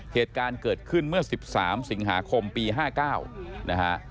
เหตุการณ์เกิดขึ้นเมื่อ๑๓สิงหาคมปี๕๙นะฮะ